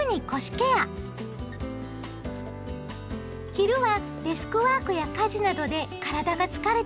昼はデスクワークや家事などで体が疲れてくる頃。